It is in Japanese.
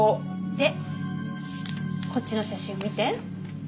でこっちの写真を見て。